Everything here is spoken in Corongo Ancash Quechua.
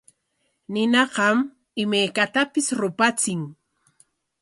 Ninaqam imaykatapis rupachin.